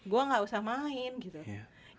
gue gak usah main gitu